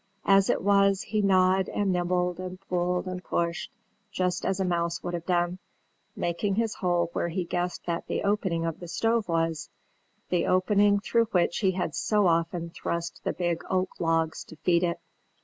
As it was, he gnawed, and nibbled, and pulled, and pushed, just as a mouse would have done, making his hole where he guessed that the opening of the stove was the opening through which he had so often thrust the big oak logs to feed it.